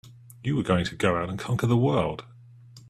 You were going to go out and conquer the world!